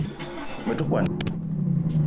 Me te kwuan